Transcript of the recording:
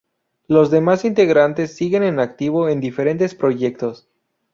Los demás integrantes siguen en activo en diferentes proyectos.